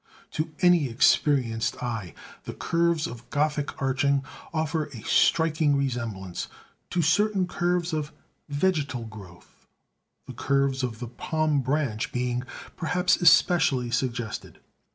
To any experienced eye, the curves of Gothic arching offer a striking resemblance to certain curves of vegetal growth; the curves of the palm branch being, perhaps, especially suggested.